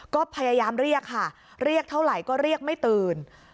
ก็พยายามเรียกค่ะเรียกเท่าไหร่ก็เรียกไม่ตื่น